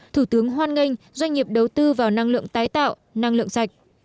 thủ tướng hoan nghênh doanh nghiệp đầu tư vào năng lượng tái tạo năng lượng sạch